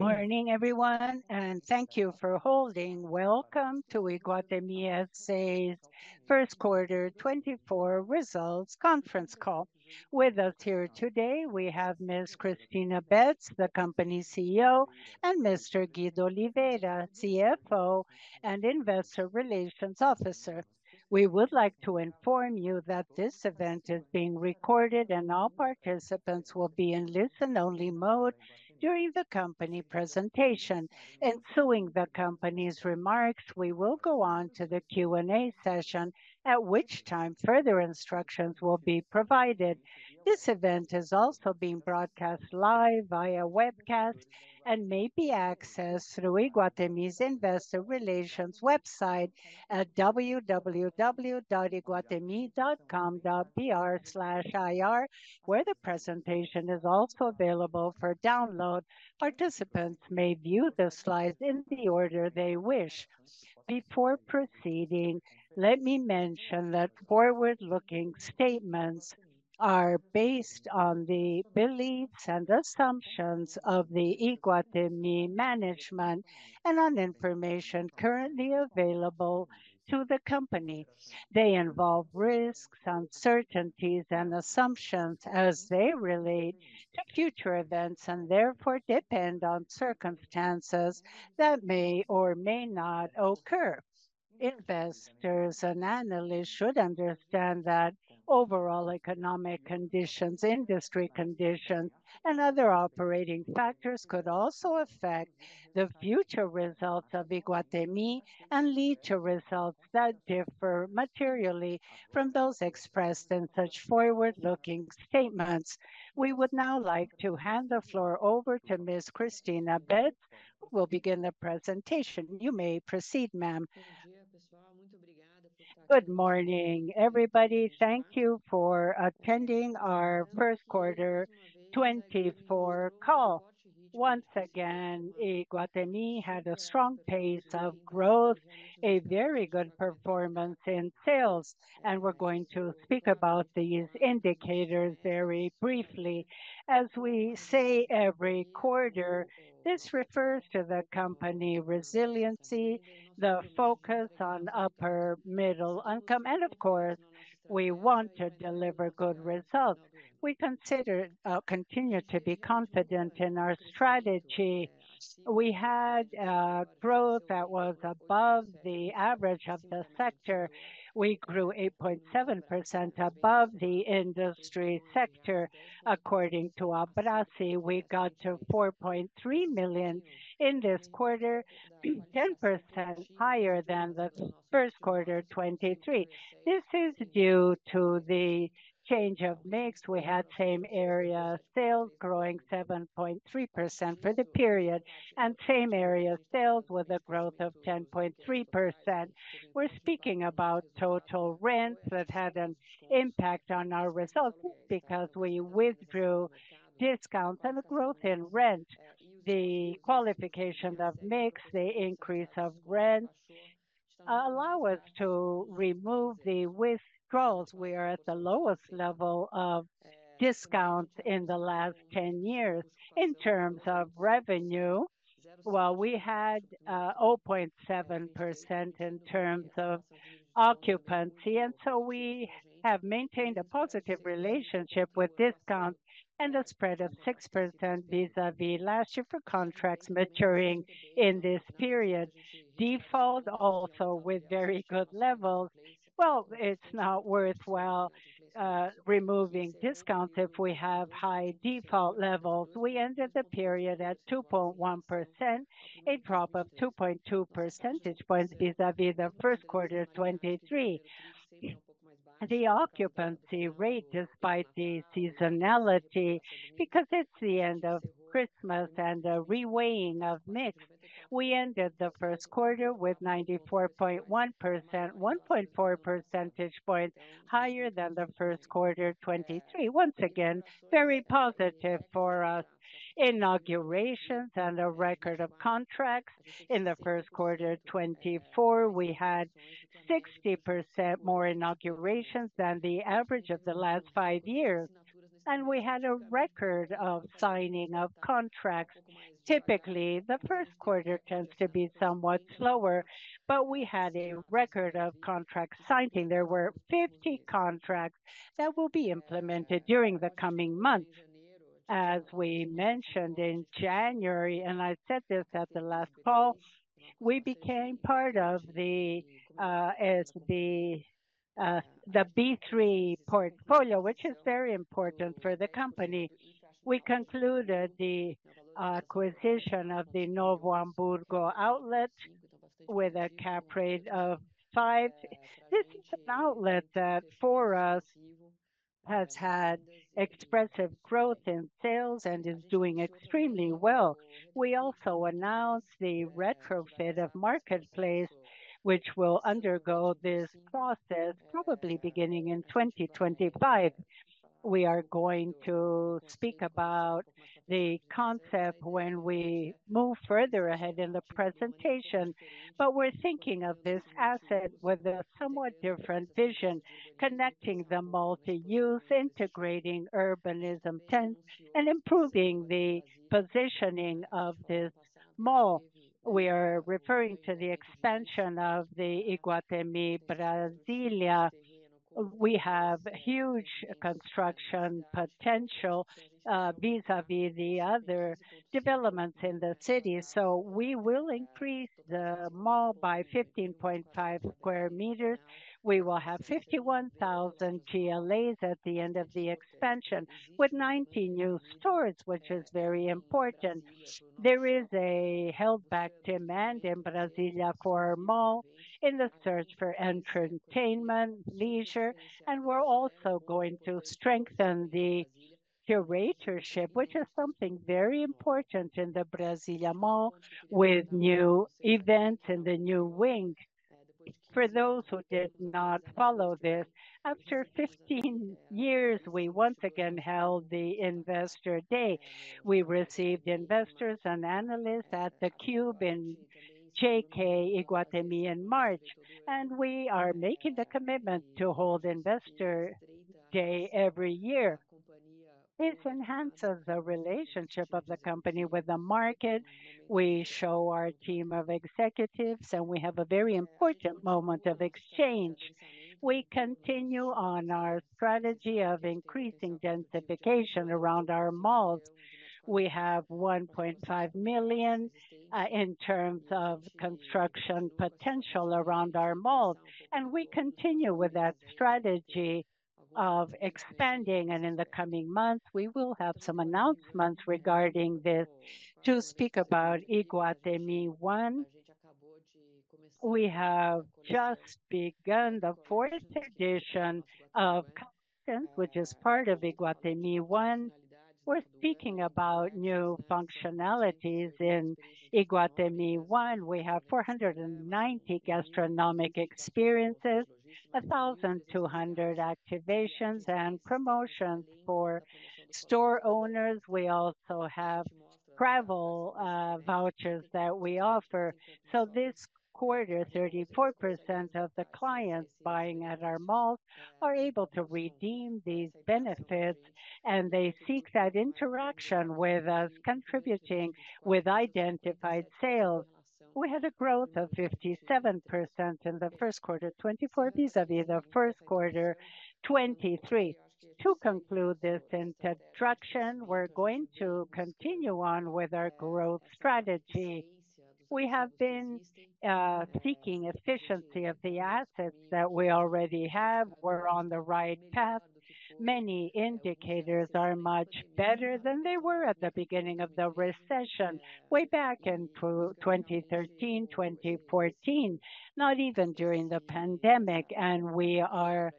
Morning, everyone, and thank you for holding. Welcome to Iguatemi S.A.'s first quarter 2024 results conference call. With us here today, we have Ms. Cristina Betts, the company's CEO, and Mr. Guido Oliveira, CFO and Investor Relations Officer. We would like to inform you that this event is being recorded, and all participants will be in listen-only mode during the company presentation. Ensuing the company's remarks, we will go on to the Q&A session, at which time further instructions will be provided. This event is also being broadcast live via webcast and may be accessed through Iguatemi's investor relations website at www.iguatemi.com.br/ir, where the presentation is also available for download. Participants may view the slides in the order they wish. Before proceeding, let me mention that forward-looking statements are based on the beliefs and assumptions of the Iguatemi management and on information currently available to the company. They involve risks, uncertainties, and assumptions as they relate to future events and therefore depend on circumstances that may or may not occur. Investors and analysts should understand that overall economic conditions, industry conditions, and other operating factors could also affect the future results of Iguatemi and lead to results that differ materially from those expressed in such forward-looking statements. We would now like to hand the floor over to Ms. Cristina Betts, who will begin the presentation. You may proceed, ma'am. Good morning, everybody. Thank you for attending our first quarter 2024 call. Once again, Iguatemi had a strong pace of growth, a very good performance in sales, and we're going to speak about these indicators very briefly. As we say every quarter, this refers to the company resiliency, the focus on upper-middle income, and of course, we want to deliver good results. We continue to be confident in our strategy. We had growth that was above the average of the sector. We grew 8.7% above the industry sector, according to Abrasce. We got to 4.3 million in this quarter, 10% higher than the first quarter 2023. This is due to the change of mix. We had same-area sales growing 7.3% for the period and same-area sales with a growth of 10.3%. We're speaking about total rents that had an impact on our results because we withdrew discounts and the growth in rent. The qualification of mix, the increase of rents, allow us to remove the withdrawals. We are at the lowest level of discounts in the last 10 years. In terms of revenue, well, we had 0.7% in terms of occupancy, and so we have maintained a positive relationship with discounts and a spread of 6% vis-à-vis last year for contracts maturing in this period. Default also with very good levels. Well, it's not worthwhile removing discounts if we have high default levels. We ended the period at 2.1%, a drop of 2.2 percentage points vis-à-vis the first quarter 2023. The occupancy rate, despite the seasonality, because it's the end of Christmas and the reweighing of mix, we ended the first quarter with 94.1%, 1.4 percentage points higher than the first quarter 2023. Once again, very positive for us. Inaugurations and a record of contracts. In the first quarter 2024, we had 60% more inaugurations than the average of the last five years, and we had a record of signing of contracts. Typically, the first quarter tends to be somewhat slower, but we had a record of contract signing. There were 50 contracts that will be implemented during the coming months. As we mentioned in January, and I said this at the last call, we became part of the B3 portfolio, which is very important for the company. We concluded the acquisition of the Novo Hamburgo outlet with a Cap Rate of five. This is an outlet that, for us, has had expressive growth in sales and is doing extremely well. We also announced the retrofit of Marketplace, which will undergo this process probably beginning in 2025. We are going to speak about the concept when we move further ahead in the presentation, but we're thinking of this asset with a somewhat different vision, connecting the multi-use, integrating urbanism trends, and improving the positioning of this mall. We are referring to the expansion of the Iguatemi Brasília. We have huge construction potential, vis-a-vis the other developments in the city. So we will increase the mall by 15.5 sqm. We will have 51,000 GLAs at the end of the expansion, with 19 new stores, which is very important. There is a held back demand in Brasília for mall, in the search for entertainment, leisure, and we're also going to strengthen the curatorship, which is something very important in the Brasília Mall with new events in the new wing. For those who did not follow this, after 15 years, we once again held the Investor Day. We received investors and analysts at the Cubo in JK Iguatemi in March, and we are making the commitment to hold Investor Day every year. This enhances the relationship of the company with the market. We show our team of executives, and we have a very important moment of exchange. We continue on our strategy of increasing densification around our malls. We have 1.5 million in terms of construction potential around our malls, and we continue with that strategy of expanding, and in the coming months, we will have some announcements regarding this. To speak about Iguatemi One, we have just begun the fourth edition of Collections, which is part of Iguatemi One. We're speaking about new functionalities in Iguatemi One. We have 490 gastronomic experiences, 1,200 activations and promotions for store owners. We also have travel vouchers that we offer. So this quarter, 34% of the clients buying at our malls are able to redeem these benefits, and they seek that interaction with us, contributing with identified sales. We had a growth of 57% in the first quarter, 2024 vis-a-vis the first quarter, 2023. To conclude this introduction, we're going to continue on with our growth strategy. We have been seeking efficiency of the assets that we already have. We're on the right path. Many indicators are much better than they were at the beginning of the recession, way back in 2013, 2014, not even during the pandemic, and we are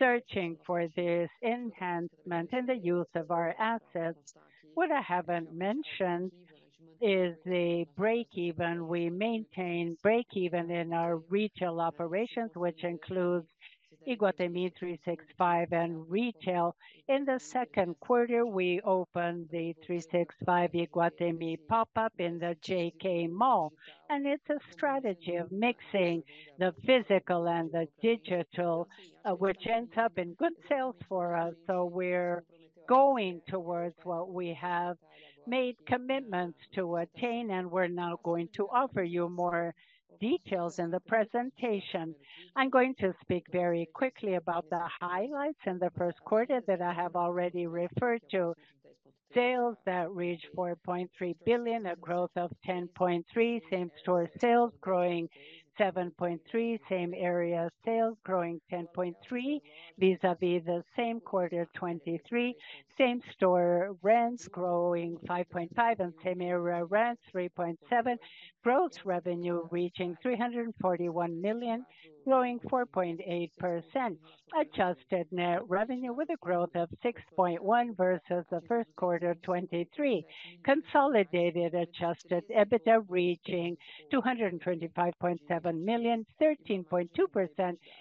searching for this enhancement in the use of our assets. What I haven't mentioned is the break-even. We maintain break-even in our retail operations, which includes Iguatemi 365 and retail. In the second quarter, we opened the 365 Iguatemi pop-up in the JK Iguatemi, and it's a strategy of mixing the physical and the digital, which ends up in good sales for us. So we're going towards what we have made commitments to attain, and we're now going to offer you more details in the presentation. I'm going to speak very quickly about the highlights in the first quarter that I have already referred to. Sales that reached 4.3 billion, a growth of 10.3%. Same-store sales growing 7.3%. Same area sales growing 10.3% vis-à-vis the same quarter, 2023. Same-store rents growing 5.5%, and same area rents 3.7%. Gross revenue reaching 341 million, growing 4.8%. Adjusted net revenue with a growth of 6.1% versus the first quarter 2023. Consolidated adjusted EBITDA reaching 225.7 million, 13.2%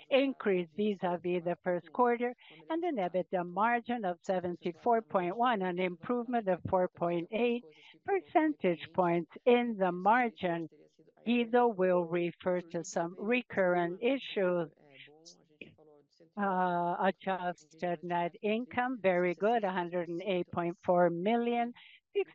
increase vis-a-vis the first quarter 2023, and an EBITDA margin of 74.1%, an improvement of 4.8 percentage points in the margin. Guido will refer to some recurrent issues. Adjusted net income, very good, 108.4 million,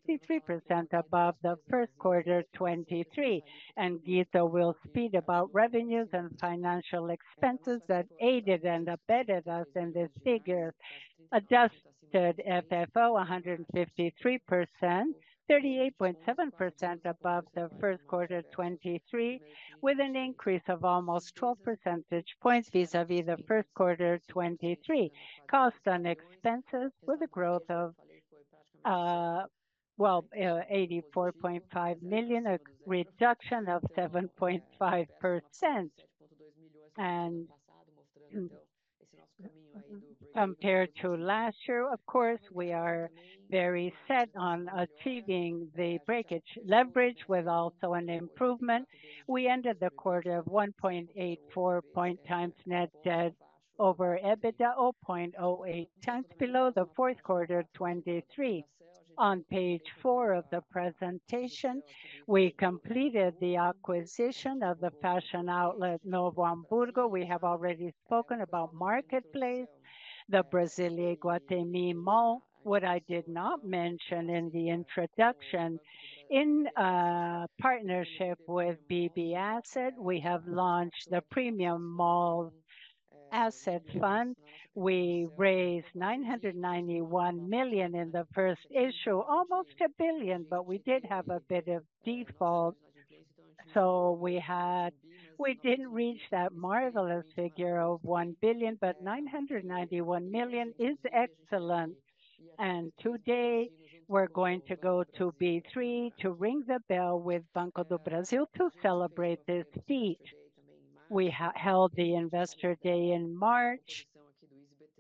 63% above the first quarter 2023. And Guido will speak about revenues and financial expenses that aided and abetted us in this figure. Adjusted FFO, 153%, 38.7% above the first quarter 2023, with an increase of almost 12 percentage points vis-a-vis the first quarter 2023. Costs and expenses with a growth of, well, 84.5 million, a reduction of 7.5%. Compared to last year, of course, we are very set on achieving the breakage leverage with also an improvement. We ended the quarter at 1.84x net debt over EBITDA, or 0.08x below the fourth quarter 2023. On page four of the presentation, we completed the acquisition of the fashion outlet, Novo Hamburgo. We have already spoken about Marketplace, the Brasília Iguatemi Mall. What I did not mention in the introduction, in partnership with BB Asset, we have launched the Premium Malls asset fund. We raised 991 million in the first issue, almost a billion, but we did have a bit of default. We didn't reach that marvelous figure of 1 billion, but 991 million is excellent. Today, we're going to go to B3 to ring the bell with Banco do Brasil to celebrate this feat. We held the Investor Day in March,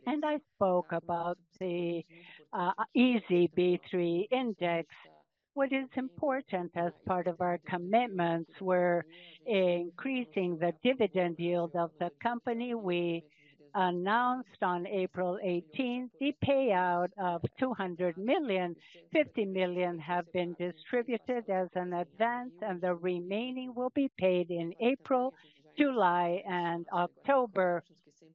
and I spoke about the ISE B3 index. What is important as part of our commitments, we're increasing the dividend yield of the company. We announced on April 18, the payout of 200 million; 50 million have been distributed as an advance, and the remaining will be paid in April, July, and October.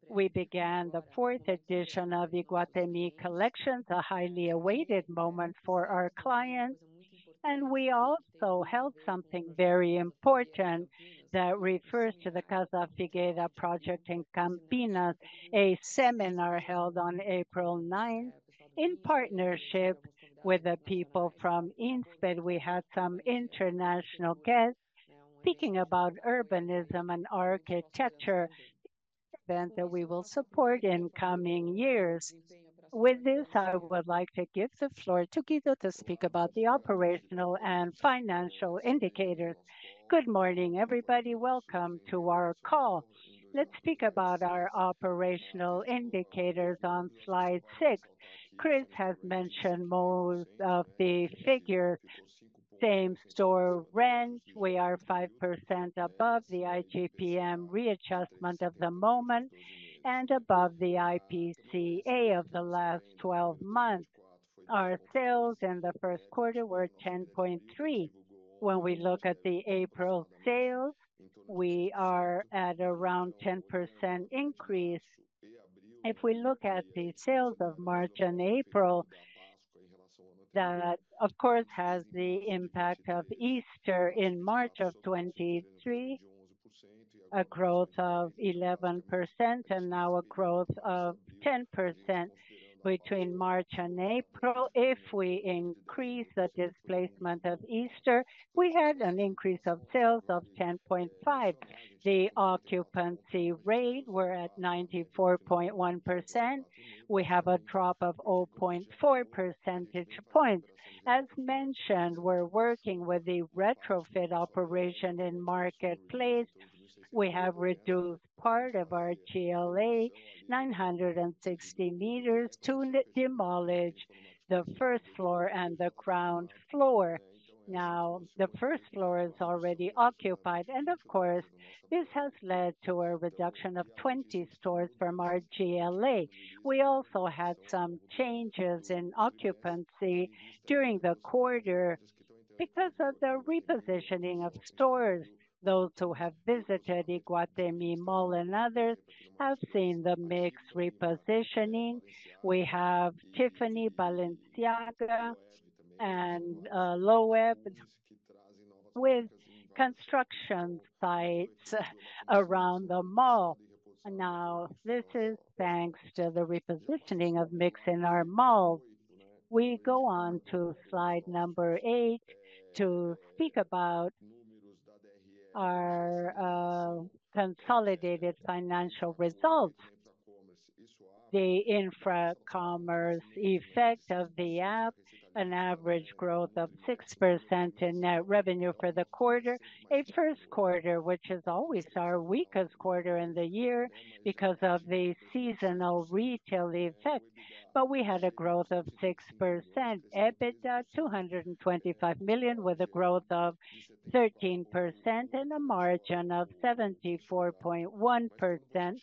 We began the fourth edition of Iguatemi Collections, a highly awaited moment for our clients. We also held something very important that refers to the Casa Figueira project in Campinas, a seminar held on April 9. In partnership with the people from Insper, we had some international guests speaking about urbanism and architecture, event that we will support in coming years. With this, I would like to give the floor to Guido to speak about the operational and financial indicators. Good morning, everybody. Welcome to our call. Let's speak about our operational indicators on slide six. Chris has mentioned most of the figure. Same-store rent, we are 5% above the IGPM readjustment of the moment and above the IPCA of the last 12 months. Our sales in the first quarter were 10.3%. When we look at the April sales, we are at around 10% increase. If we look at the sales of March and April, that, of course, has the impact of Easter in March 2023, a growth of 11%, and now a growth of 10% between March and April. If we increase the displacement of Easter, we had an increase of sales of 10.5%. The occupancy rate were at 94.1%. We have a drop of 0.4 percentage points. As mentioned, we're working with the retrofit operation in Marketplace. We have reduced part of our GLA, 960 meters, to demolish the first floor and the ground floor. Now, the first floor is already occupied, and of course, this has led to a reduction of 20 stores from our GLA. We also had some changes in occupancy during the quarter because of the repositioning of stores. Those who have visited Iguatemi Mall and others have seen the mix repositioning. We have Tiffany, Balenciaga, and Loewe with construction sites around the mall. Now, this is thanks to the repositioning of mix in our mall. We go on to slide number eight to speak about our consolidated financial results. The Infracommerce effect of the app, an average growth of 6% in net revenue for the quarter. A first quarter, which is always our weakest quarter in the year because of the seasonal retail effect, but we had a growth of 6% EBITDA, 225 million, with a growth of 13%, and a margin of 74.1%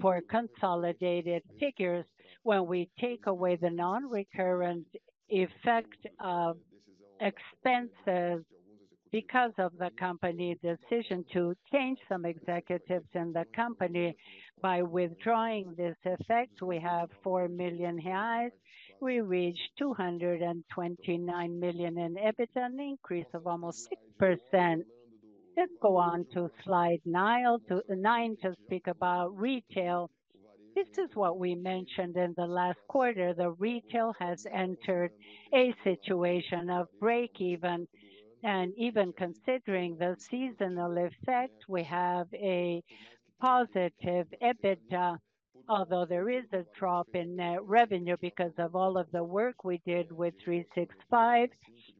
for consolidated figures. When we take away the non-recurrent effect of expenses because of the company decision to change some executives in the company. By withdrawing this effect, we have 4 million reais. We reach 229 million in EBITDA, an increase of almost 6%. Let's go on to slide nine to speak about retail. This is what we mentioned in the last quarter. The retail has entered a situation of break-even, and even considering the seasonal effect, we have a positive EBITDA, although there is a drop in net revenue because of all of the work we did with 365,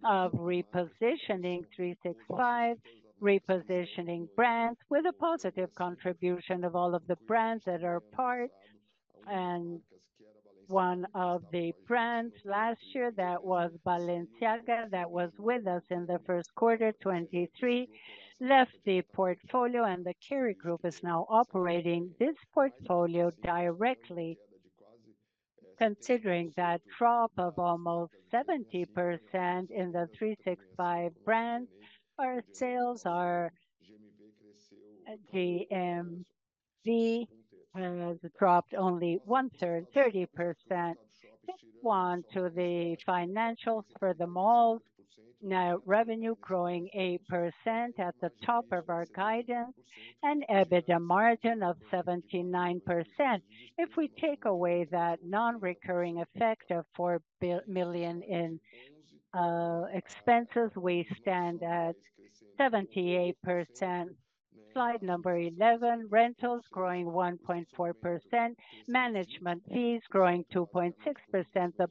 of repositioning 365, repositioning brands with a positive contribution of all of the brands that are part. And one of the brands last year, that was Balenciaga, that was with us in the first quarter 2023, left the portfolio, and the Kering group is now operating this portfolio directly. Considering that drop of almost 70% in the Iguatemi 365 brand, our sales GMV has dropped only one third, 30%. Let's move on to the financials for the malls. Net revenue growing 8% at the top of our guidance, and EBITDA margin of 79%. If we take away that non-recurring effect of 4 million in expenses, we stand at 78%. Slide 11, rentals growing 1.4%, management fees growing 2.6%,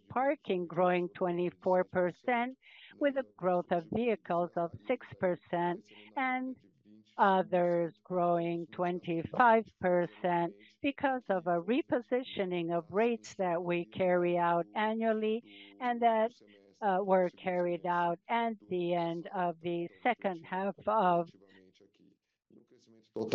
parking growing 24%, with a growth of vehicles of 6%, and others growing 25% because of a repositioning of rates that we carry out annually and that were carried out at the end of the second half. Of expenses of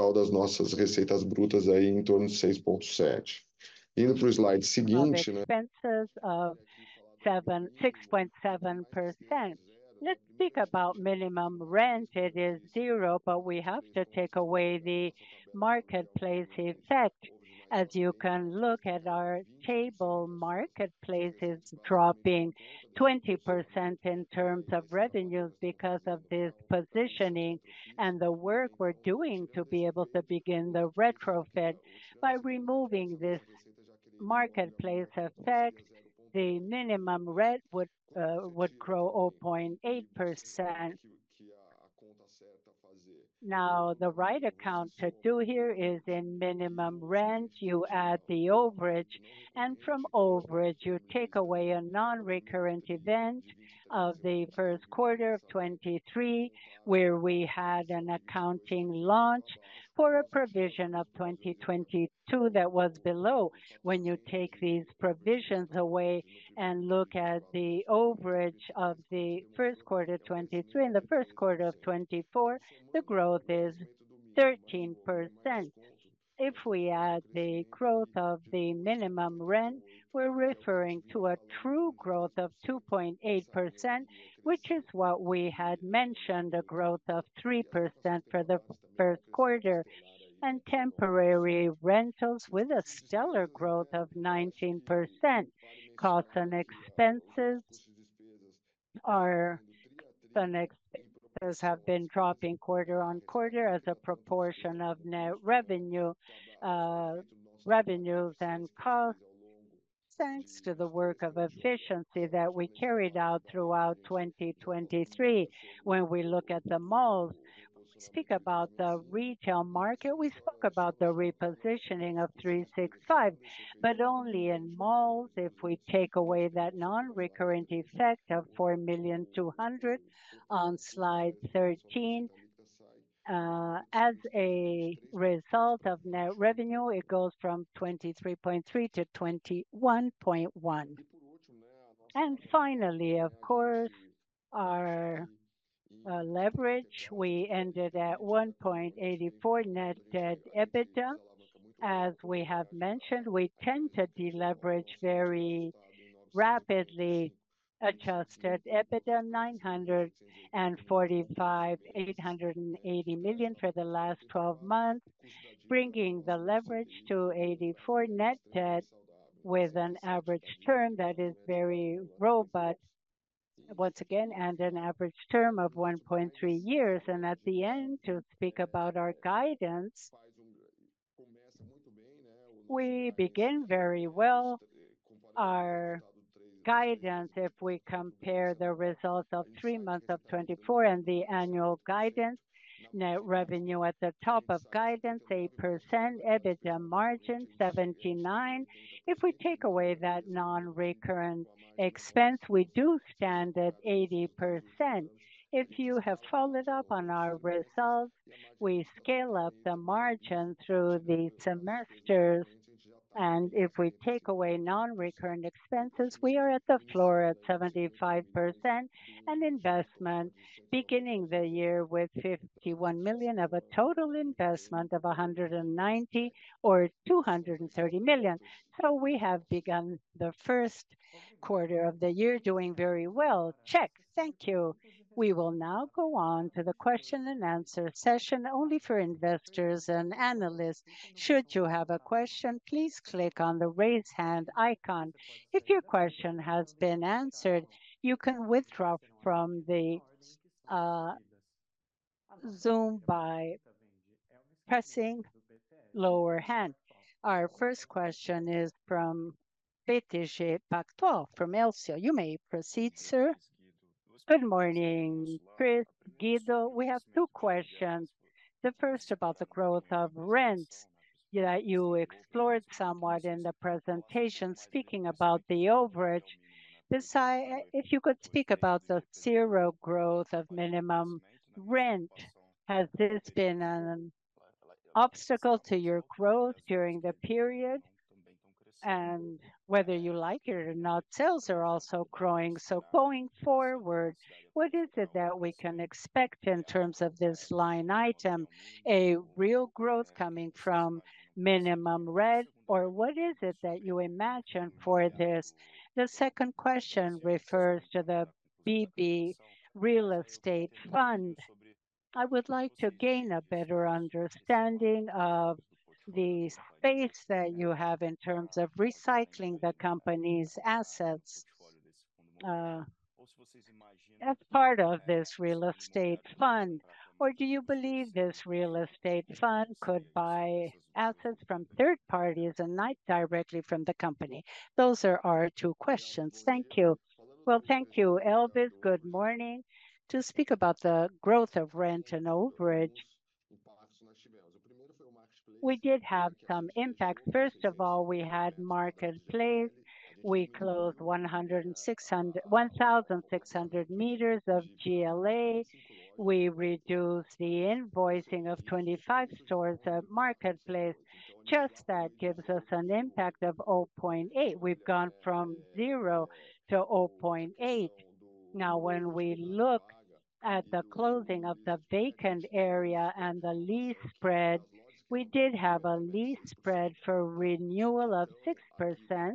6.7%. Let's speak about minimum rent. It is 0, but we have to take away the marketplace effect. As you can look at our table, marketplace is dropping 20% in terms of revenues because of this positioning and the work we're doing to be able to begin the retrofit. By removing this marketplace effect, the minimum rent would, would grow 0.8%. Now, the right account to do here is in minimum rent, you add the overage, and from overage, you take away a non-recurrent event of the first quarter of 2023, where we had an accounting launch for a provision of 2022 that was below. When you take these provisions away and look at the overage of the first quarter 2023 and the first quarter of 2024, the growth is 13%. If we add the growth of the minimum rent, we're referring to a true growth of 2.8%, which is what we had mentioned, a growth of 3% for the first quarter, and temporary rentals with a stellar growth of 19%. Costs and expenses are... The next, those have been dropping quarter-on-quarter as a proportion of net revenue, revenues and costs, thanks to the work of efficiency that we carried out throughout 2023. When we look at the malls, speak about the retail market, we spoke about the repositioning of 365, but only in malls, if we take away that non-recurrent effect of 4.2 million on slide 13. As a result of net revenue, it goes from 23.3 to 21.1. And finally, of course, our leverage, we ended at 1.84 net debt EBITDA. As we have mentioned, we tend to deleverage very rapidly. Adjusted EBITDA, 945, 880 million BRL for the last twelve months, bringing the leverage to 0.84 net debt with an average term that is very robust, once again, and an average term of 1.3 years. And at the end, to speak about our guidance, we begin very well. Our guidance, if we compare the results of three months of 2024 and the annual guidance, net revenue at the top of guidance, 8%, EBITDA margin, 79%. If we take away that non-recurrent expense, we do stand at 80%. If you have followed up on our results, we scale up the margin through the semesters, and if we take away non-recurrent expenses, we are at the floor at 75%. And investment, beginning the year with 51 million of a total investment of 190 million or 230 million. So we have begun the first quarter of the year doing very well. Check. Thank you. We will now go on to the question and answer session only for investors and analysts. Should you have a question, please click on the Raise Hand icon. If your question has been answered, you can withdraw from the Zoom by pressing Lower Hand. Our first question is from Elvis Credendio from BTG Pactual. You may proceed, sir. Good morning, Cristina, Guido. We have two questions. The first about the growth of rents that you explored somewhat in the presentation, speaking about the overage. Besides, if you could speak about the zero growth of minimum rent, has this been an obstacle to your growth during the period? And whether you like it or not, sales are also growing. So going forward, what is it that we can expect in terms of this line item, a real growth coming from minimum rent, or what is it that you imagine for this? The second question refers to the BB Real Estate Fund. I would like to gain a better understanding of the space that you have in terms of recycling the company's assets, as part of this real estate fund. Or do you believe this real estate fund could buy assets from third parties and not directly from the company? Those are our two questions. Thank you. Well, thank you, Elvis. Good morning. To speak about the growth of rent and overage, we did have some impact. First of all, we had Marketplace. We closed 1,600 meters of GLA. We reduced the invoicing of 25 stores at Marketplace. Just that gives us an impact of 0.8. We've gone from zero to 0.8. Now, when we look at the closing of the vacant area and the lease spread, we did have a lease spread for renewal of 6%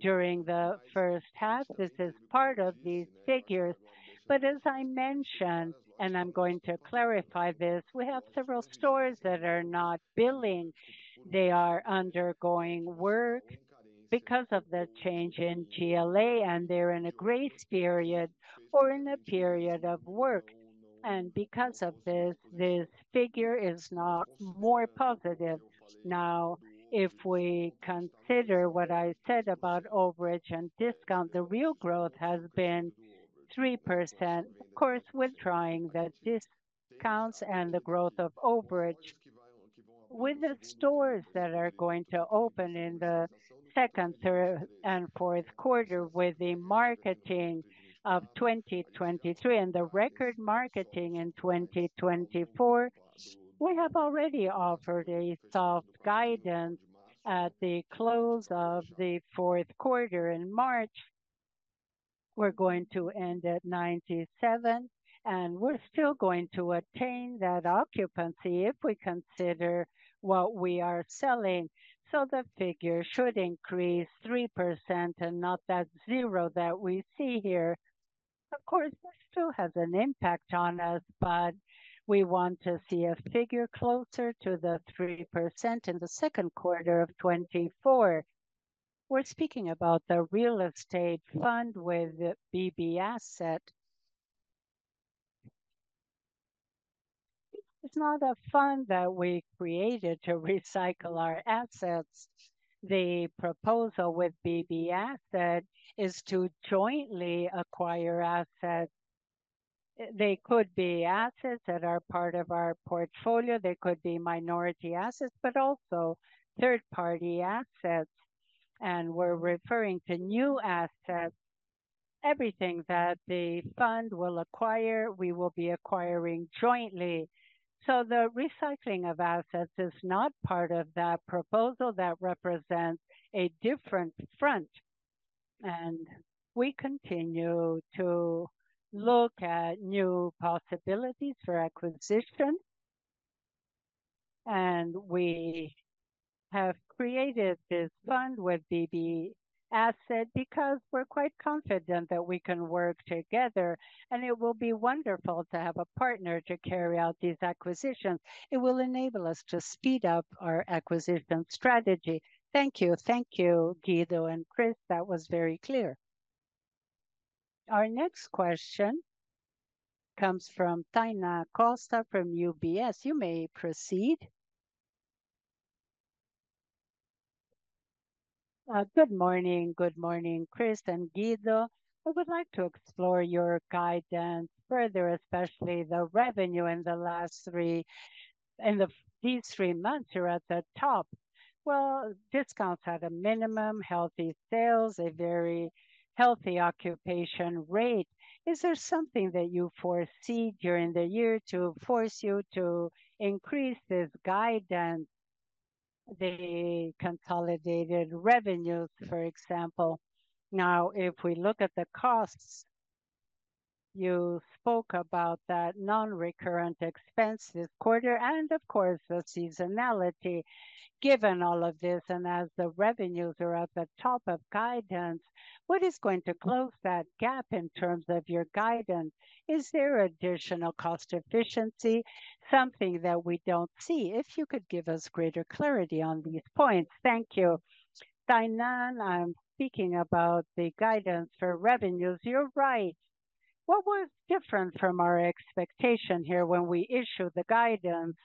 during the first half. This is part of these figures. But as I mentioned, and I'm going to clarify this, we have several stores that are not billing. They are undergoing work because of the change in GLA, and they're in a grace period or in a period of work. Because of this, this figure is not more positive. Now, if we consider what I said about overage and discount, the real growth has been 3%. Of course, we're trying the discounts and the growth of overage with the stores that are going to open in the second, third, and fourth quarter with the marketing of 2023 and the record marketing in 2024. We have already offered a soft guidance at the close of the fourth quarter in March. We're going to end at 97, and we're still going to attain that occupancy if we consider what we are selling. So the figure should increase 3% and not that zero that we see here. Of course, this still has an impact on us, but we want to see a figure closer to the 3% in the second quarter of 2024. We're speaking about the real estate fund with the BB Asset. It's not a fund that we created to recycle our assets. The proposal with BB Asset is to jointly acquire assets. They could be assets that are part of our portfolio, they could be minority assets, but also third-party assets, and we're referring to new assets. Everything that the fund will acquire, we will be acquiring jointly. So the recycling of assets is not part of that proposal. That represents a different front, and we continue to look at new possibilities for acquisition. We have created this fund with BB Asset because we're quite confident that we can work together, and it will be wonderful to have a partner to carry out these acquisitions. It will enable us to speed up our acquisition strategy. Thank you. Thank you, Guido and Chris. That was very clear. Our next question comes from Tainan Costa from UBS. You may proceed. Good morning. Good morning, Chris and Guido. I would like to explore your guidance further, especially the revenue in these three months, you're at the top. Well, discounts at a minimum, healthy sales, a very healthy occupation rate. Is there something that you foresee during the year to force you to increase this guidance, the consolidated revenues, for example? Now, if we look at the costs, you spoke about that non-recurrent expense this quarter and of course, the seasonality. Given all of this, and as the revenues are at the top of guidance, what is going to close that gap in terms of your guidance? Is there additional cost efficiency, something that we don't see? If you could give us greater clarity on these points. Thank you. Tainá, I'm speaking about the guidance for revenues. You're right. What was different from our expectation here when we issued the guidance,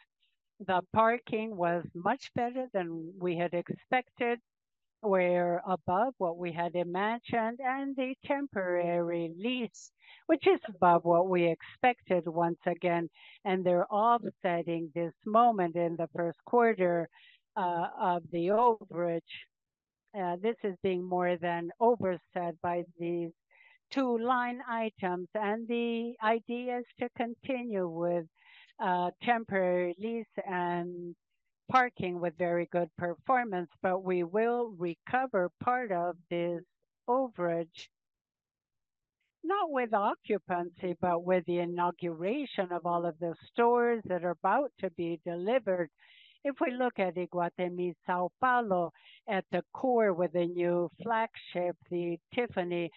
the parking was much better than we had expected. We're above what we had imagined, and the temporary lease, which is above what we expected once again, and they're offsetting this moment in the first quarter of the overage. This is being more than offset by these two line items, and the idea is to continue with temporary lease and parking with very good performance. But we will recover part of this overage, not with occupancy, but with the inauguration of all of the stores that are about to be delivered. If we look at Iguatemi São Paulo, at the core, with a new flagship, the Tiffany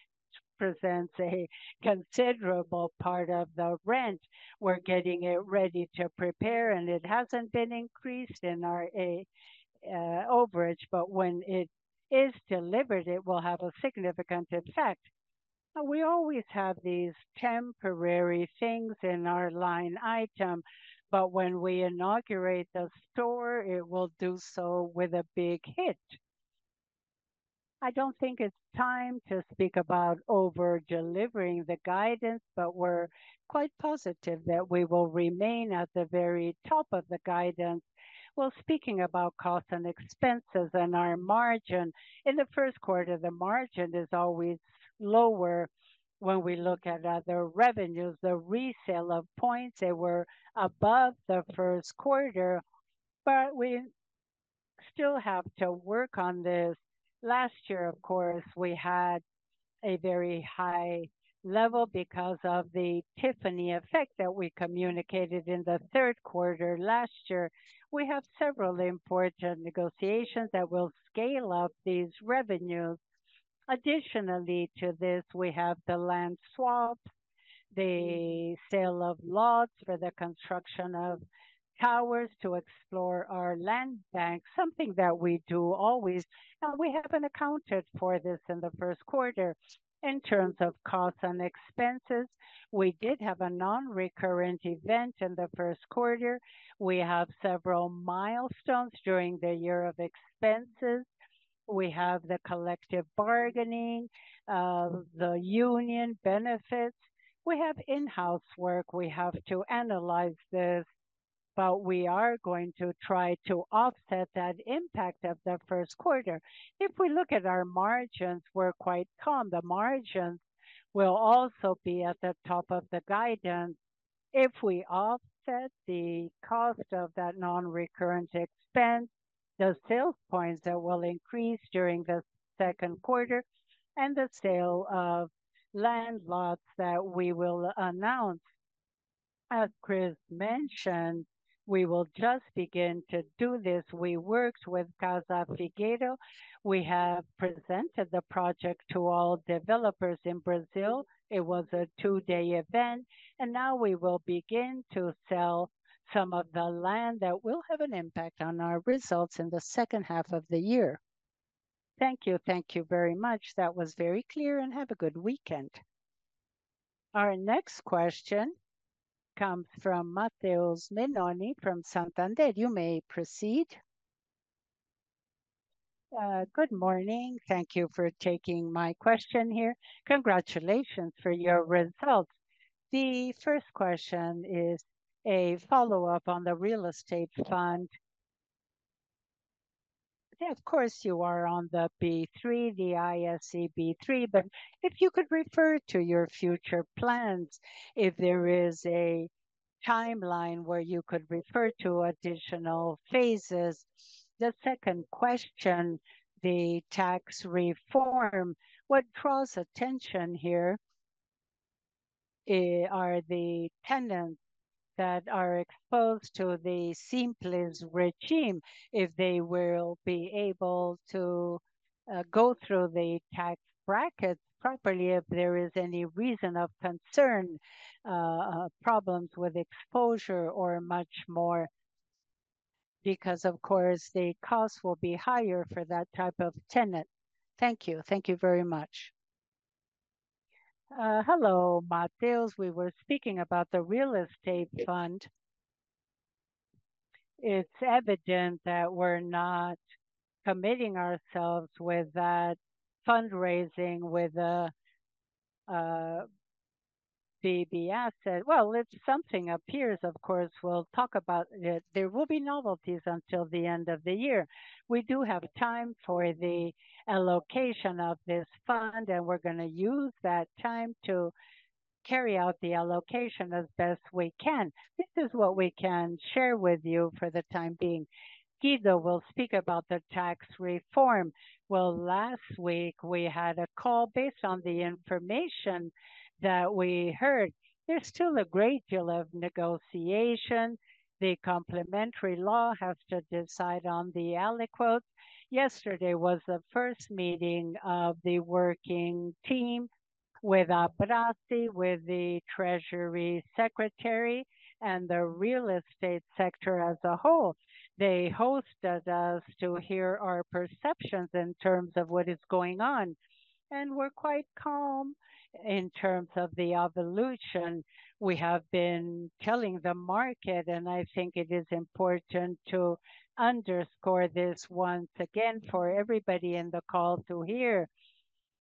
flagship presents a considerable part of the rent. We're getting it ready to prepare, and it hasn't been increased in our overage, but when it is delivered, it will have a significant effect. We always have these temporary things in our line item, but when we inaugurate the store, it will do so with a big hit. I don't think it's time to speak about over-delivering the guidance, but we're quite positive that we will remain at the very top of the guidance. Well, speaking about costs and expenses and our margin, in the first quarter, the margin is always lower when we look at other revenues. The resale of points, they were above the first quarter, but we still have to work on this. Last year, of course, we had a very high level because of the Tiffany effect that we communicated in the third quarter last year. We have several important negotiations that will scale up these revenues. Additionally to this, we have the land swap, the sale of lots for the construction of towers to explore our land bank, something that we do always, and we haven't accounted for this in the first quarter. In terms of costs and expenses, we did have a non-recurrent event in the first quarter. We have several milestones during the year of expenses. We have the collective bargaining, the union benefits. We have in-house work. We have to analyze this, but we are going to try to offset that impact of the first quarter. If we look at our margins, we're quite calm. The margins will also be at the top of the guidance. If we offset the cost of that non-recurrent expense, the sales points that will increase during the second quarter and the sale of land lots that we will announce. As Chris mentioned, we will just begin to do this. We worked with Casa Figueira. We have presented the project to all developers in Brazil. It was a two-day event, and now we will begin to sell some of the land that will have an impact on our results in the second half of the year. Thank you. Thank you very much. That was very clear, and have a good weekend. Our next question comes from Matheus Meloni from Santander. You may proceed. Good morning. Thank you for taking my question here. Congratulations for your results. The first question is a follow-up on the real estate fund. Of course, you are on the B3, the ISE B3, but if you could refer to your future plans, if there is a timeline where you could refer to additional phases. The second question, the tax reform. What draws attention here, are the tenants that are exposed to the Simples regime, if they will be able to, go through the tax brackets properly, if there is any reason of concern, problems with exposure or much more, because of course, the cost will be higher for that type of tenant. Thank you. Thank you very much. Hello, Matheus. We were speaking about the real estate fund. It's evident that we're not committing ourselves with that fundraising with, the, the asset. Well, if something appears, of course, we'll talk about it. There will be novelties until the end of the year. We do have time for the allocation of this fund, and we're going to use that time to carry out the allocation as best we can. This is what we can share with you for the time being. Guido will speak about the tax reform. Well, last week, we had a call based on the information that we heard. There's still a great deal of negotiation. The complementary law has to decide on the aliquots. Yesterday was the first meeting of the working team with Appy, with the Treasury Secretary, and the real estate sector as a whole. They hosted us to hear our perceptions in terms of what is going on, and we're quite calm in terms of the evolution. We have been telling the market, and I think it is important to underscore this once again for everybody in the call to hear,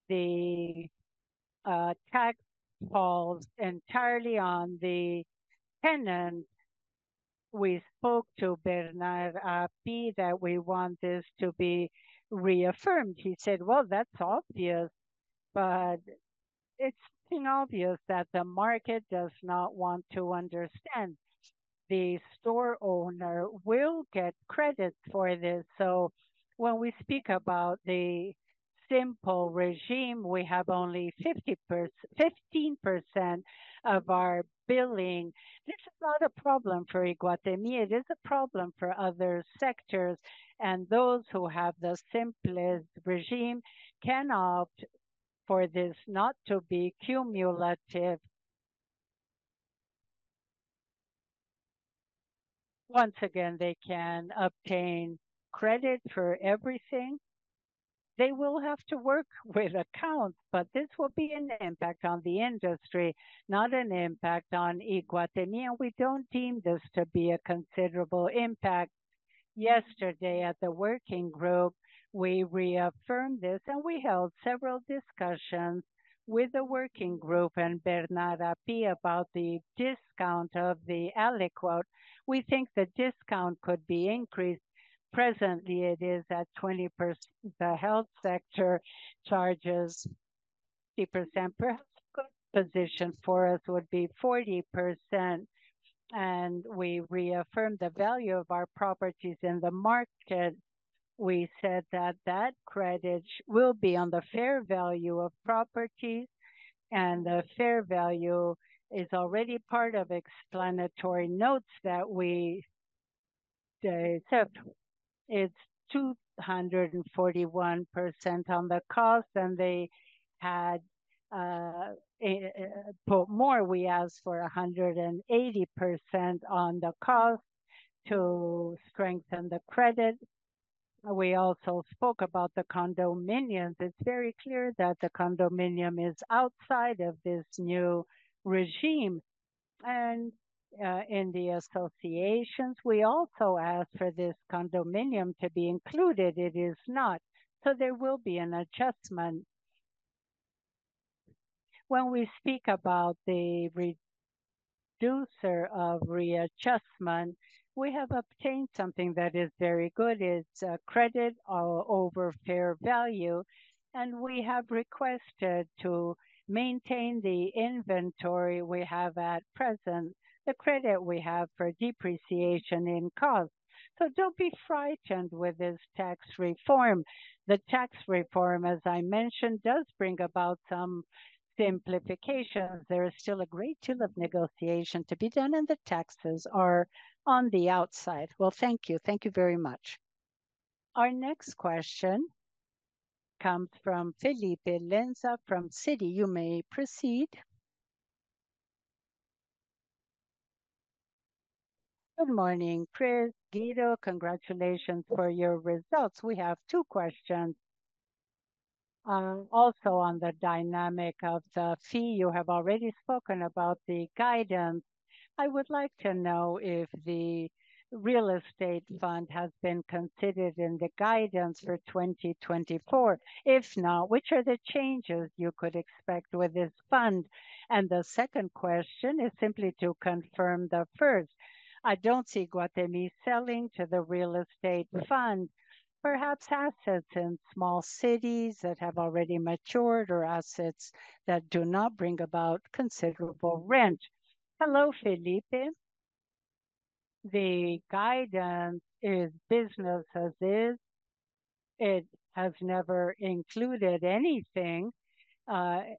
the tax falls entirely on the tenant. We spoke to Bernard Appy that we want this to be reaffirmed. He said, "Well, that's obvious," but it's been obvious that the market does not want to understand. The store owner will get credit for this. So when we speak about the Simples regime, we have only 15% of our billing. This is not a problem for Iguatemi. It is a problem for other sectors, and those who have the Simples regime can opt for this not to be cumulative. Once again, they can obtain credit for everything. They will have to work with accounts, but this will be an impact on the industry, not an impact on Iguatemi, and we don't deem this to be a considerable impact. Yesterday, at the working group, we reaffirmed this, and we held several discussions with the working group and Bernard Appy about the discount of the alíquota. We think the discount could be increased. Presently, it is at twenty pers- the health sector charges 30%. Perhaps a good position for us would be 40%, and we reaffirmed the value of our properties in the market. We said that that credit will be on the fair value of properties, and the fair value is already part of explanatory notes that we accept. It's 241% on the cost, and they had a... But more, we asked for 180% on the cost to strengthen the credit. We also spoke about the condominiums. It's very clear that the condominium is outside of this new regime. And, in the associations, we also asked for this condominium to be included. It is not, so there will be an adjustment. When we speak about the reducer of readjustment, we have obtained something that is very good. It's a credit over fair value, and we have requested to maintain the inventory we have at present, the credit we have for depreciation in cost. So don't be frightened with this tax reform. The tax reform, as I mentioned, does bring about some simplifications. There is still a great deal of negotiation to be done, and the taxes are on the outside. Well, thank you. Thank you very much. Our next question comes from Felipe Lenza from Citi. You may proceed. Good morning, Cristina, Guido. Congratulations for your results. We have two questions, also on the dynamic of the fee. You have already spoken about the guidance. I would like to know if the real estate fund has been considered in the guidance for 2024. If not, which are the changes you could expect with this fund? And the second question is simply to confirm the first. I don't see Iguatemi selling to the real estate fund, perhaps assets in small cities that have already matured or assets that do not bring about considerable rent. Hello, Felipe. The guidance is business as is. It has never included anything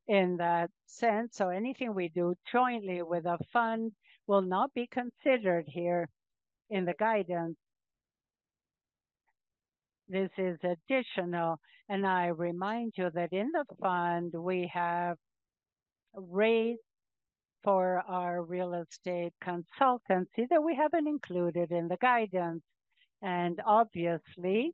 in that sense, so anything we do jointly with a fund will not be considered here in the guidance. This is additional, and I remind you that in the fund, we have raised for our real estate consultancy that we haven't included in the guidance, and obviously,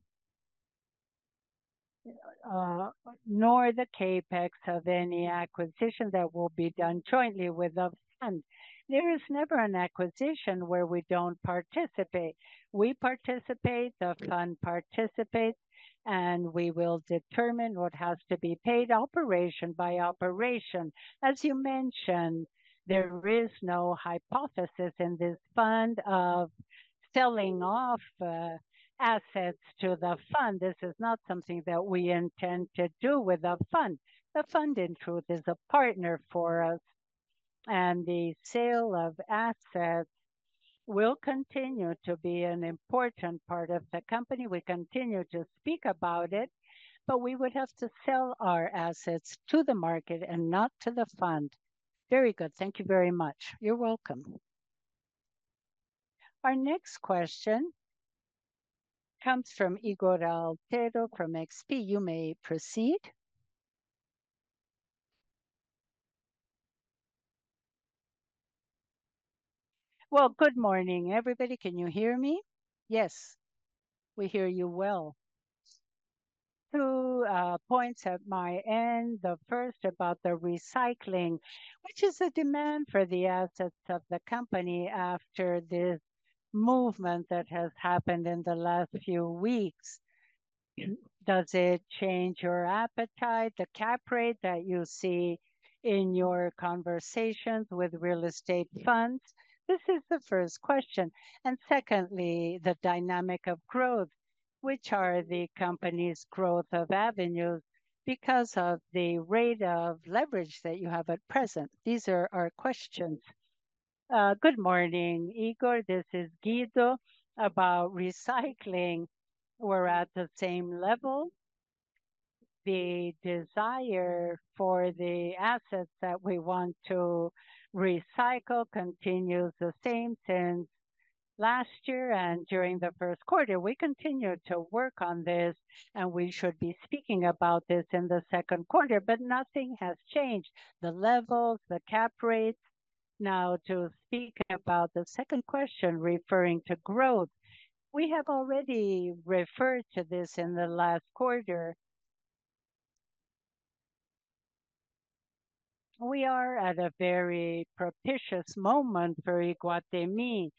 nor the CapEx of any acquisition that will be done jointly with the fund. There is never an acquisition where we don't participate. We participate, the fund participates, and we will determine what has to be paid operation by operation. As you mentioned, there is no hypothesis in this fund of selling off, assets to the fund. This is not something that we intend to do with the fund. The fund, in truth, is a partner for us, and the sale of assets will continue to be an important part of the company. We continue to speak about it, but we would have to sell our assets to the market and not to the fund. Very good. Thank you very much. You're welcome. Our next question comes from Ygor Altero from XP. You may proceed. Well, good morning, everybody. Can you hear me? Yes, we hear you well. Two points at my end. The first about the recycling, which is a demand for the assets of the company after this movement that has happened in the last few weeks. Mm-hmm. Does it change your appetite, the cap rate that you see in your conversations with real estate funds? This is the first question. And secondly, the dynamic of growth, which are the company's growth of avenues because of the rate of leverage that you have at present? These are our questions. Good morning, Ygor. This is Guido. About recycling, we're at the same level. The desire for the assets that we want to recycle continues the same since last year and during the first quarter, we continued to work on this, and we should be speaking about this in the second quarter, but nothing has changed: the levels, the cap rates. Now, to speak about the second question referring to growth, we have already referred to this in the last quarter. We are at a very propitious moment for Iguatemi.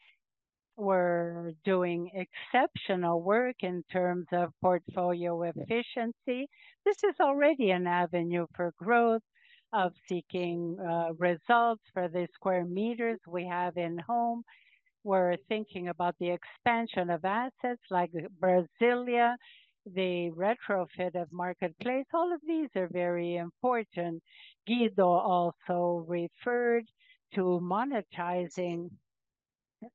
We're doing exceptional work in terms of portfolio efficiency. This is already an avenue for growth, of seeking results for the square meters we have in home. We're thinking about the expansion of assets like Brasília, the retrofit of Marketplace. All of these are very important. Guido also referred to monetizing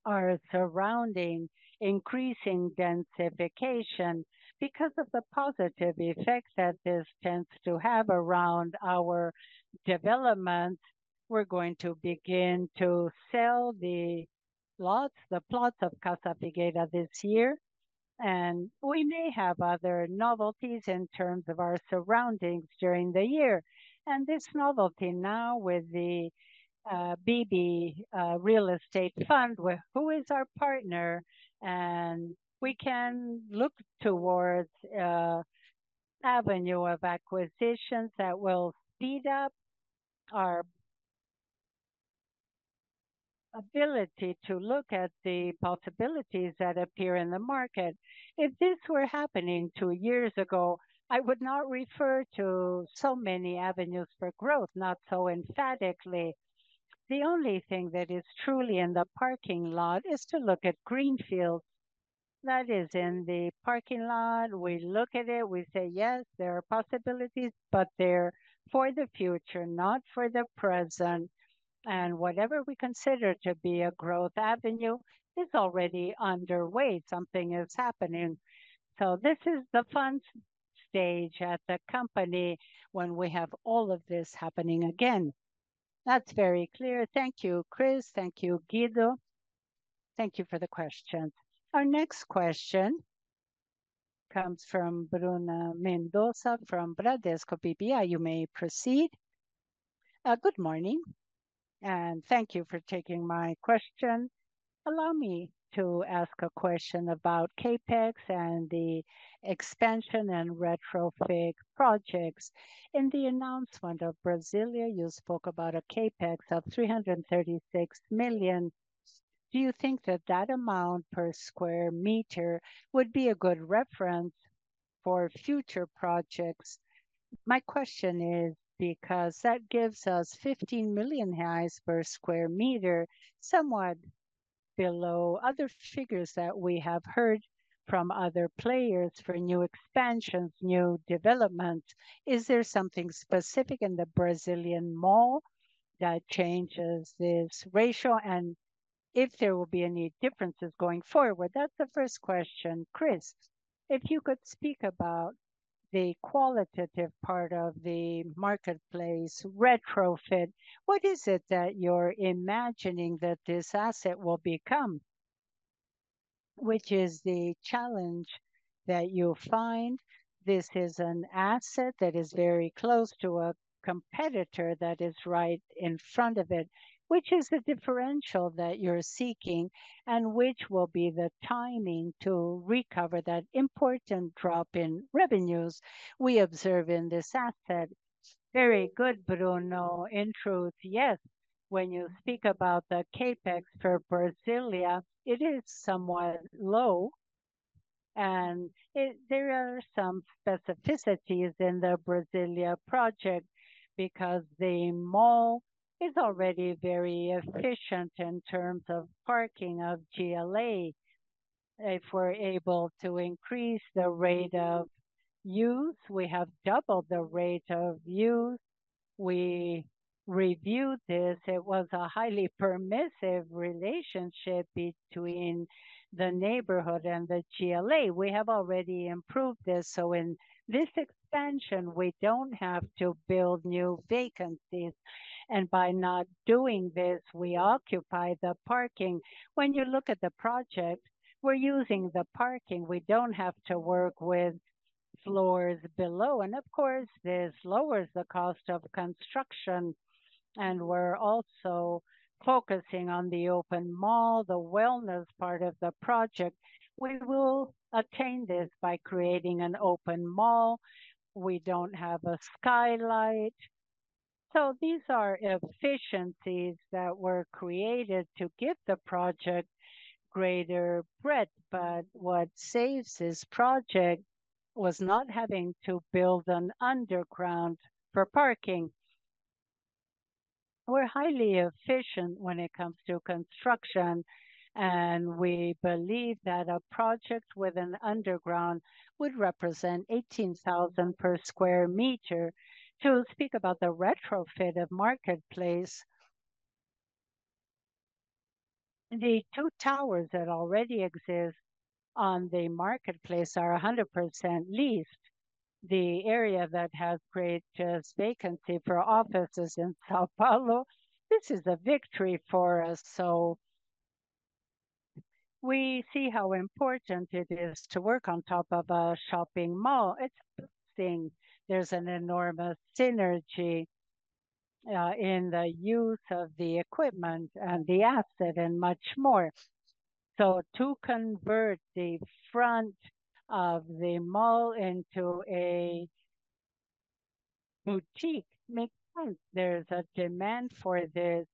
our surrounding, increasing densification. Because of the positive effect that this tends to have around our development, we're going to begin to sell the plots, the plots of Casa Figueira this year, and we may have other novelties in terms of our surroundings during the year. And this novelty now with the, BB, Real Estate Fund, where-- who is our partner, and we can look towards, avenue of acquisitions that will speed up our ability to look at the possibilities that appear in the market. If this were happening two years ago, I would not refer to so many avenues for growth, not so emphatically. The only thing that is truly in the parking lot is to look at greenfields. That is in the parking lot, we look at it, we say, "Yes, there are possibilities," but they're for the future, not for the present. Whatever we consider to be a growth avenue is already underway. Something is happening. So this is the fun stage at the company when we have all of this happening again. That's very clear. Thank you, Chris. Thank you, Guido. Thank you for the question. Our next question comes from Bruno Mendonça, from Bradesco BBI. You may proceed. Good morning, and thank you for taking my question. Allow me to ask a question about CapEx and the expansion and retrofit projects. In the announcement of Brasília, you spoke about a CapEx of 336 million. Do you think that that amount per square meter would be a good reference for future projects? My question is because that gives us 15 million per sqm, somewhat below other figures that we have heard from other players for new expansions, new developments. Is there something specific in the Brazilian mall that changes this ratio? And if there will be any differences going forward? That's the first question. Cristina, if you could speak about the qualitative part of the MarketPlace retrofit, what is it that you're imagining that this asset will become? Which is the challenge that you find? This is an asset that is very close to a competitor that is right in front of it. Which is the differential that you're seeking, and which will be the timing to recover that important drop in revenues we observe in this asset? Very good, Bruno. In truth, yes, when you speak about the CapEx for Brasília, it is somewhat low, and it, there are some specificities in the Brasília project because the mall is already very efficient in terms of parking, of GLA. If we're able to increase the rate of use, we have doubled the rate of use. We reviewed this. It was a highly permissive relationship between the neighborhood and the GLA. We have already improved this, so in this expansion, we don't have to build new vacancies, and by not doing this, we occupy the parking. When you look at the project, we're using the parking. We don't have to work with floors below, and of course, this lowers the cost of construction. And we're also focusing on the open mall, the wellness part of the project. We will attain this by creating an open mall. We don't have a skylight. So these are efficiencies that were created to give the project greater breadth. But what saves this project was not having to build an underground for parking. We're highly efficient when it comes to construction, and we believe that a project with an underground would represent 18,000 per sqm. To speak about the retrofit of Marketplace, the two towers that already exist on the Marketplace are 100% leased. The area that has created a vacancy for offices in São Paulo, this is a victory for us. So we see how important it is to work on top of a shopping mall. It's interesting. There's an enormous synergy in the use of the equipment and the asset, and much more. So to convert the front of the mall into a boutique makes sense. There's a demand for this.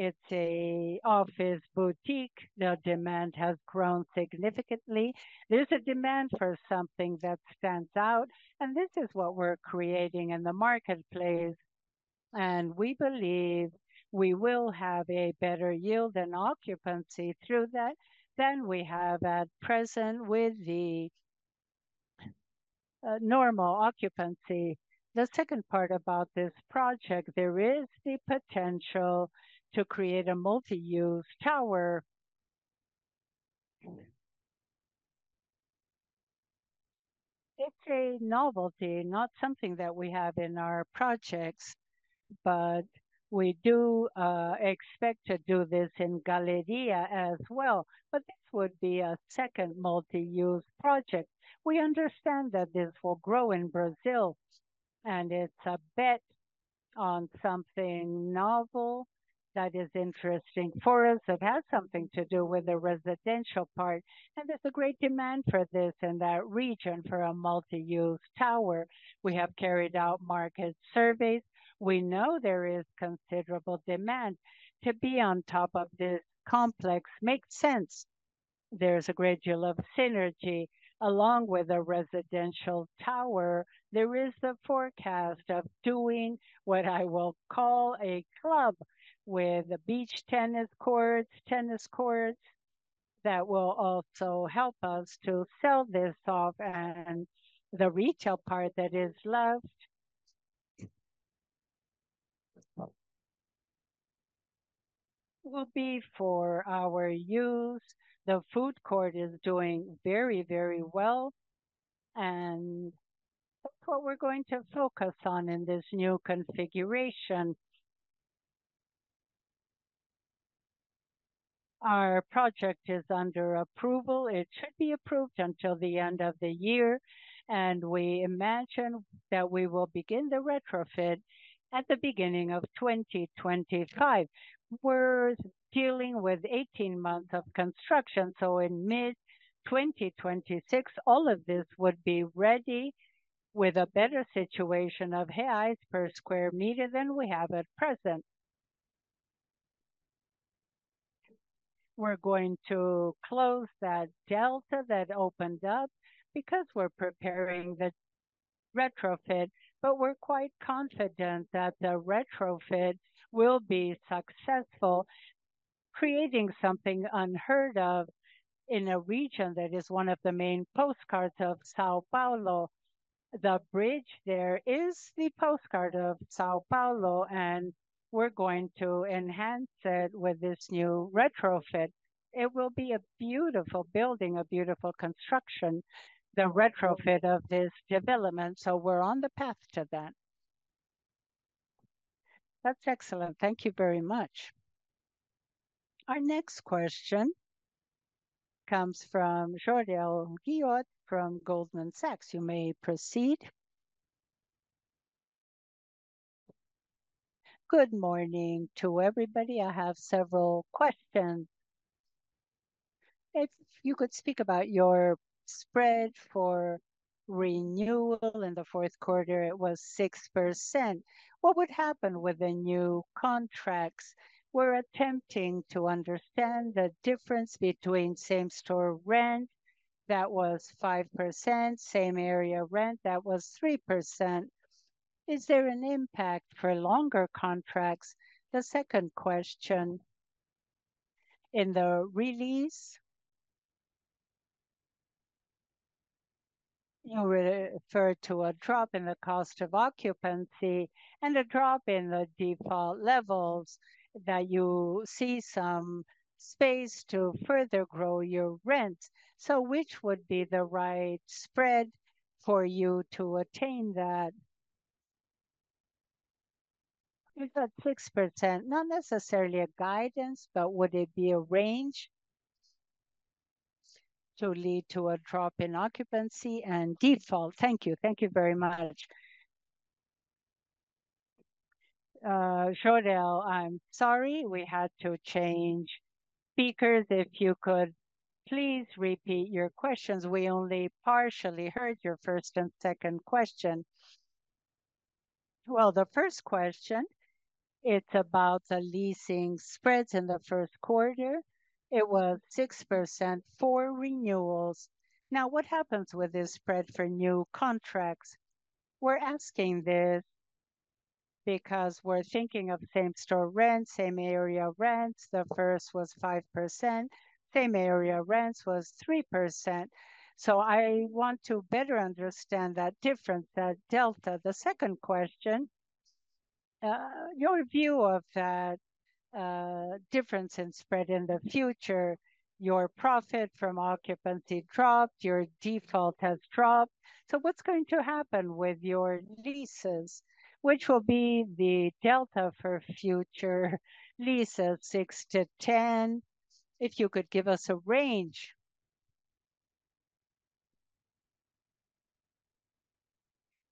It's a office boutique. The demand has grown significantly. There's a demand for something that stands out, and this is what we're creating in the marketplace, and we believe we will have a better yield and occupancy through that than we have at present with the normal occupancy. The second part about this project, there is the potential to create a multi-use tower. It's a novelty, not something that we have in our projects, but we do expect to do this in Galeria as well. But this would be a second multi-use project. We understand that this will grow in Brazil, and it's a bet on something novel that is interesting for us. It has something to do with the residential part, and there's a great demand for this in that region for a multi-use tower. We have carried out market surveys. We know there is considerable demand. To be on top of this complex makes sense. There's a great deal of synergy. Along with a residential tower, there is the forecast of doing what I will call a club, with beach tennis courts, tennis courts, that will also help us to sell this off, and the retail part that is left will be for our use. The food court is doing very, very well, and that's what we're going to focus on in this new configuration. Our project is under approval. It should be approved until the end of the year, and we imagine that we will begin the retrofit at the beginning of 2025. We're dealing with 18 months of construction, so in mid-2026, all of this would be ready, with a better situation of BRL per sqm than we have at present. We're going to close that delta that opened up because we're preparing the retrofit, but we're quite confident that the retrofit will be successful, creating something unheard of in a region that is one of the main postcards of São Paulo. The bridge there is the postcard of São Paulo, and we're going to enhance it with this new retrofit. It will be a beautiful building, a beautiful construction, the retrofit of this development, so we're on the path to that. That's excellent. Thank you very much. Our next question comes from Jorel Guilloty from Goldman Sachs. You may proceed. Good morning to everybody. I have several questions. If you could speak about your spread for renewal in the fourth quarter, it was 6%. What would happen with the new contracts? We're attempting to understand the difference between same-store rent, that was 5%, same area rent, that was 3%. Is there an impact for longer contracts? The second question, in the release, you referred to a drop in the cost of occupancy and a drop in the default levels, that you see some space to further grow your rents. So which would be the right spread for you to attain that? You said 6%. Not necessarily a guidance, but would it be a range to lead to a drop in occupancy and default? Thank you. Thank you very much. Jorel, I'm sorry, we had to change speakers. If you could please repeat your questions. We only partially heard your first and second question. Well, the first question, it's about the leasing spreads in the first quarter. It was 6% for renewals. Now, what happens with this spread for new contracts? We're asking this because we're thinking of same-store rent, same area rents. The first was 5%, same area rents was 3%, so I want to better understand that difference, that delta. The second question, your view of that difference in spread in the future, your profit from occupancy dropped, your default has dropped. So what's going to happen with your leases, which will be the delta for future leases, 6-10? If you could give us a range.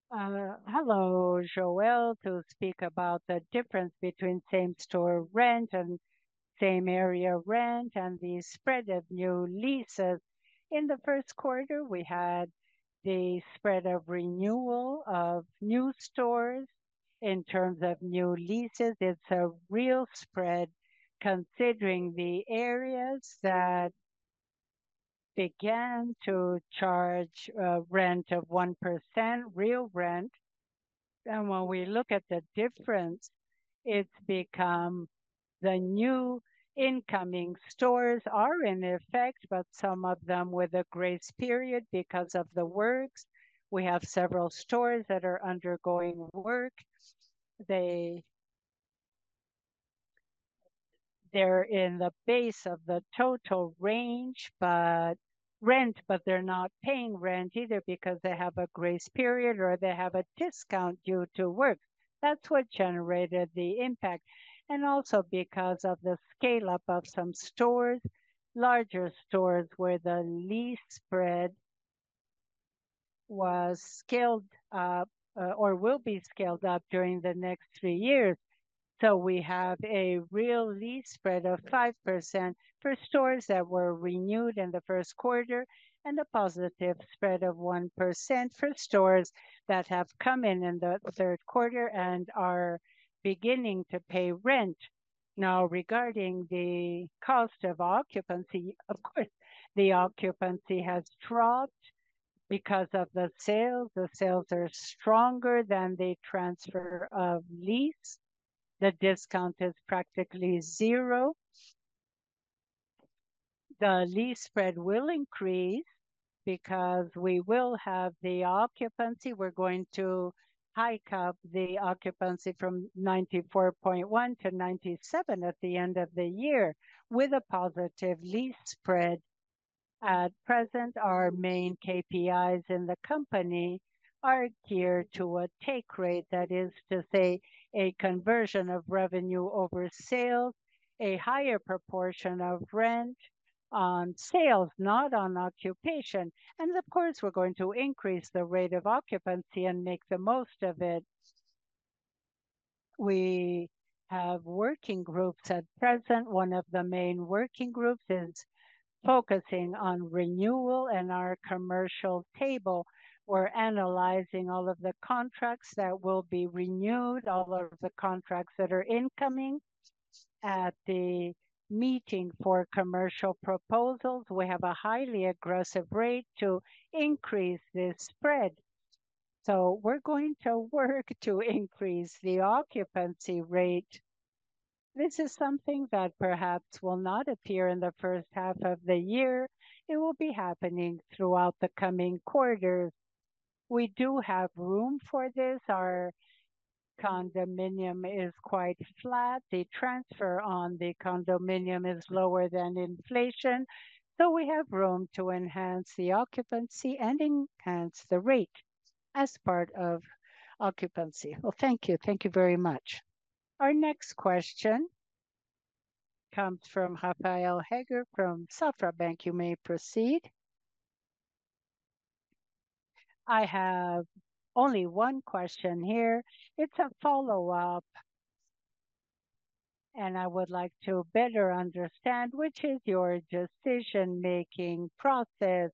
Hello, Joelle. To speak about the difference between same-store rent and same-area rent, and the spread of new leases. In the first quarter, we had the spread of renewal of new stores. In terms of new leases, it's a real spread considering the areas that began to charge rent of 1%, real rent. When we look at the difference, it's become the new incoming stores are in effect, but some of them with a grace period because of the works. We have several stores that are undergoing work. They're in the base of the total range, but rent, but they're not paying rent either because they have a grace period or they have a discount due to work. That's what generated the impact, and also because of the scale-up of some stores, larger stores, where the lease spread was scaled up, or will be scaled up during the next three years. So we have a real lease spread of 5% for stores that were renewed in the first quarter, and a positive spread of 1% for stores that have come in in the third quarter and are beginning to pay rent. Now, regarding the cost of occupancy, of course, the occupancy has dropped because of the sales. The sales are stronger than the transfer of leases. The discount is practically zero. The lease spread will increase because we will have the occupancy. We're going to hike up the occupancy from 94.1% to 97% at the end of the year, with a positive lease spread. At present, our main KPIs in the company are geared to a take rate, that is to say, a conversion of revenue over sales, a higher proportion of rent on sales, not on occupation. And of course, we're going to increase the rate of occupancy and make the most of it. We have working groups at present. One of the main working groups is focusing on renewal, and our commercial table, we're analyzing all of the contracts that will be renewed, all of the contracts that are incoming. At the meeting for commercial proposals, we have a highly aggressive rate to increase this spread. So we're going to work to increase the occupancy rate. This is something that perhaps will not appear in the first half of the year. It will be happening throughout the coming quarters. We do have room for this. Our condominium is quite flat. The transfer on the condominium is lower than inflation, so we have room to enhance the occupancy and enhance the rate as part of occupancy. Well, thank you. Thank you very much. Our next question comes from Rafael Rehder from Banco Safra. You may proceed. I have only one question here. It's a follow-up, and I would like to better understand, which is your decision-making process.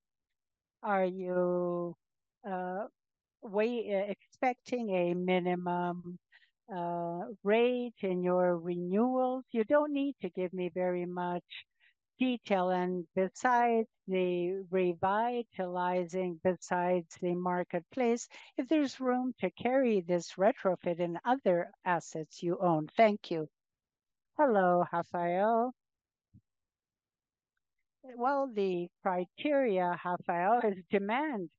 Are you expecting a minimum rate in your renewals? You don't need to give me very much detail, and besides the revitalizing, besides the marketplace, if there's room to carry this retrofit in other assets you own. Thank you. Hello, Rafael. Well, the criteria, Rafael, is demand.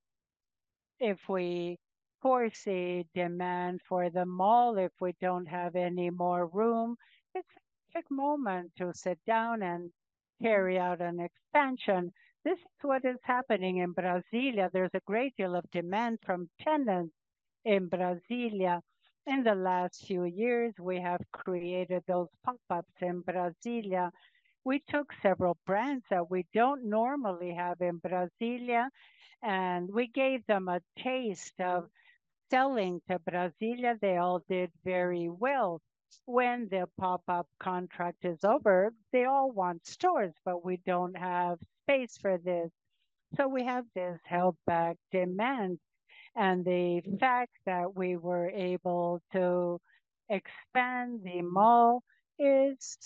If we foresee demand for the mall, if we don't have any more room, it's a good moment to sit down and carry out an expansion. This is what is happening in Brasília. There's a great deal of demand from tenants in Brasília. In the last few years, we have created those pop-ups in Brasília. We took several brands that we don't normally have in Brasília, and we gave them a taste of selling to Brasília. They all did very well. When the pop-up contract is over, they all want stores, but we don't have space for this. So we have this held-back demand, and the fact that we were able to expand the mall is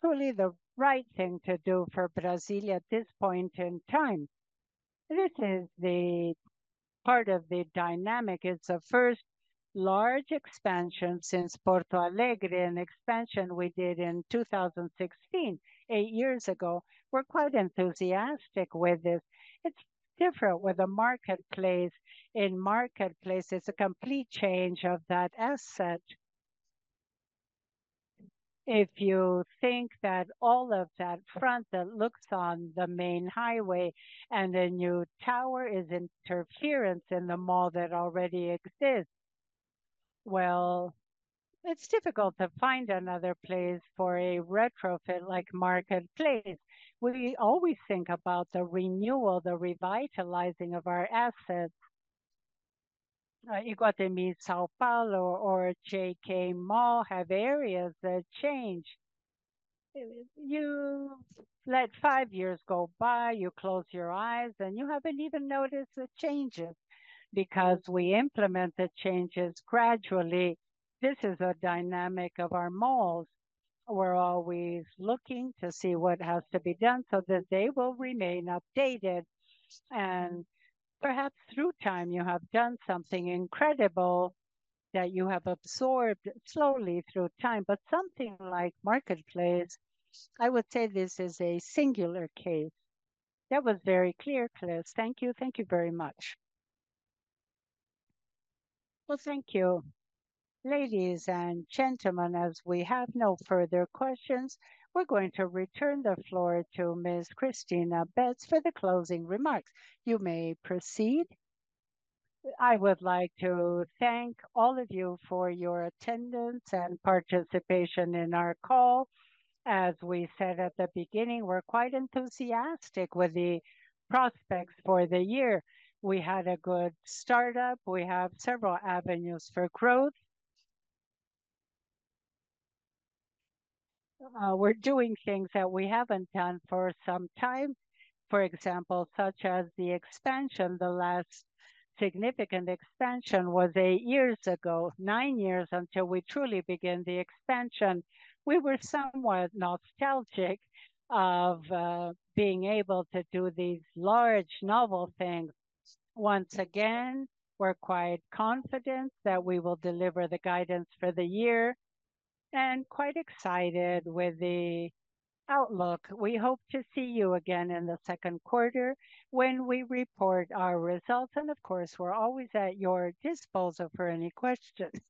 truly the right thing to do for Brasília at this point in time. This is the part of the dynamic. It's the first large expansion since Porto Alegre, an expansion we did in 2016, eight years ago. We're quite enthusiastic with this. It's different with the Marketplace. In Marketplace, it's a complete change of that asset. If you think that all of that front that looks on the main highway and a new tower is interference in the mall that already exists, well, it's difficult to find another place for a retrofit like Marketplace. We always think about the renewal, the revitalizing of our assets. Iguatemi São Paulo or JK Iguatemi have areas that change. You let five years go by, you close your eyes, and you haven't even noticed the changes because we implement the changes gradually. This is a dynamic of our malls. We're always looking to see what has to be done so that they will remain updated, and perhaps through time you have done something incredible that you have absorbed slowly through time. But something like Marketplace, I would say this is a singular case. That was very clear, Cristina. Thank you. Thank you very much. Well, thank you, ladies and gentlemen. As we have no further questions, we're going to return the floor to Ms. Cristina Betts for the closing remarks. You may proceed. I would like to thank all of you for your attendance and participation in our call. As we said at the beginning, we're quite enthusiastic with the prospects for the year. We had a good startup. We have several avenues for growth. We're doing things that we haven't done for some time. For example, such as the expansion, the last significant expansion was eight years ago, nine years until we truly began the expansion. We were somewhat nostalgic of being able to do these large, novel things. Once again, we're quite confident that we will deliver the guidance for the year and quite excited with the outlook. We hope to see you again in the second quarter when we report our results, and of course, we're always at your disposal for any questions.